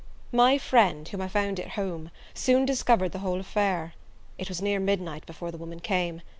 My friend, whom I found at home, soon discovered the whole affair. It was near midnight before the woman came.